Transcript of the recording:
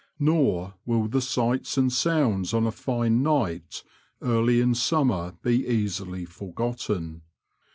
Nor will the sights and sounds on a fine night early in summer be easily forgotten.